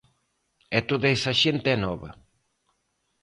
E toda esa xente é nova.